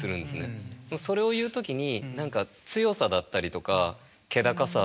それを言う時に何か強さだったりとか気高さ